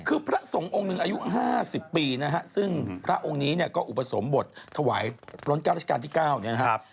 คือพระสงฆ์องค์หนึ่งอายุ๕๐ปีนะฮะซึ่งพระองค์นี้เนี่ยก็อุปสมบทถวายล้น๙ราชการที่๙เนี่ยนะครับ